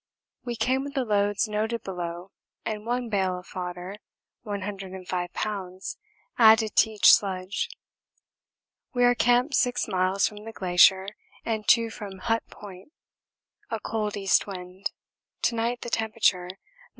We came with the loads noted below and one bale of fodder (105 lbs.) added to each sledge. We are camped 6 miles from the glacier and 2 from Hut Point a cold east wind; to night the temperature 19°.